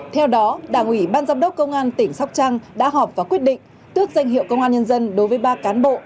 theo đó đảng ủy ban giám đốc công an tỉnh sóc trăng đã họp và quyết định tước danh hiệu công an nhân dân đối với ba cán bộ